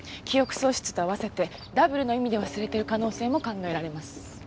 記憶喪失と合わせてダブルの意味で忘れてる可能性も考えられます。